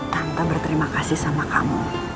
tanpa berterima kasih sama kamu